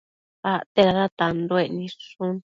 Acte dada tanduec nidshu